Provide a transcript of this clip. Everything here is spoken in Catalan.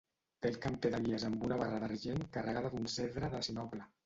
Té el camper de gules amb una barra d'argent carregada d'un cedre de sinople.